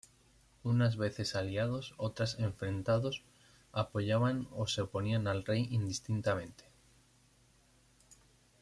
Unas veces aliados, otras enfrentados, apoyaban o se oponían al rey indistintamente.